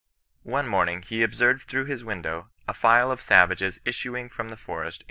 One morning, he observed, through his window, a file of savages issuing from the forest in.